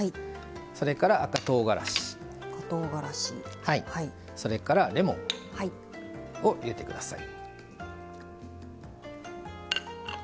それから、赤とうがらしそれからレモンを入れてください。